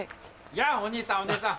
やぁお兄さんお姉さん。